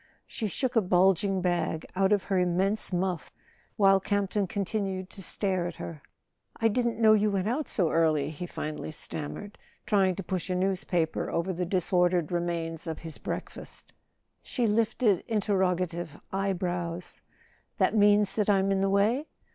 She shook a bulging bag out of her immense muff, while Campton continued to stare at her. "I didn't know you went out so early," he finally stammered, trying to push a newspaper over the dis¬ ordered remains of his breakfast. She lifted interrogative eye brows. "That means that I'm in the way?"